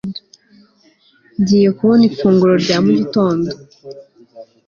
ngiye kubona ifunguro rya mu gitondo